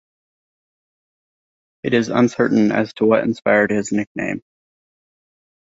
It is uncertain as to what inspired his nickname.